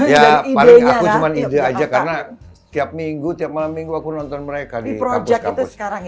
ya paling aku cuma ide aja karena tiap minggu tiap malam minggu aku nonton mereka di kampus kampus sekarang